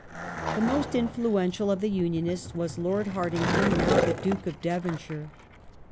The most influential of the Unionists was Lord Hartington, now the Duke of Devonshire.